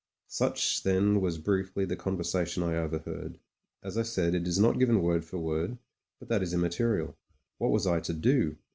Such then was briefly the conversation I overheard. As I said, it is not given word for word — ^but that is immaterial. What was I to do?